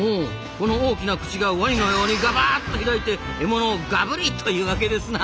この大きな口がワニのようにガバッと開いて獲物をガブリ！というわけですな。